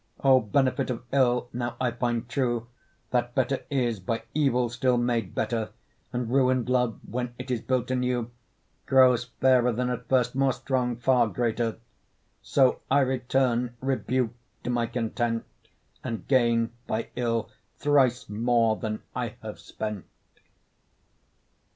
O benefit of ill! now I find true That better is, by evil still made better; And ruin'd love, when it is built anew, Grows fairer than at first, more strong, far greater. So I return rebuk'd to my content, And gain by ill thrice more than I have spent.